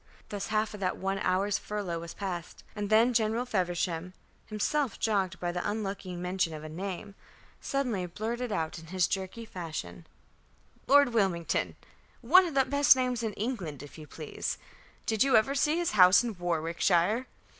Thus half of that one hour's furlough was passed; and then General Feversham, himself jogged by the unlucky mention of a name, suddenly blurted out in his jerky fashion: "Lord Wilmington. One of the best names in England, if you please. Did you ever see his house in Warwickshire?